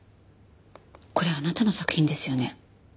これあなたの作品ですよね？